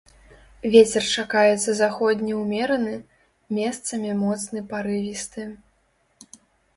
Вецер чакаецца заходні ўмераны, месцамі моцны парывісты.